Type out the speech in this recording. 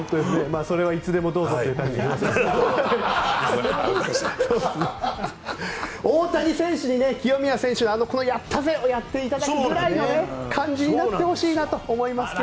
それはいつでもどうぞという感じなんですが大谷選手に清宮選手のこのやったぜをやっていただくぐらいの感じになってほしいなと思いますが。